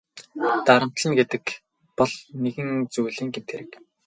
Дарамтална гэдэг бол нэгэн зүйлийн гэмт хэрэг.